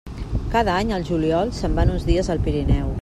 Cada any, al juliol, se'n van uns dies al Pirineu.